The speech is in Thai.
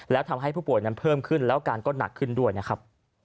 แล้วทำให้ผู้ป่วยนั้นเพิ่มขึ้นแล้วอาการก็หนักขึ้นด้วยนะครับ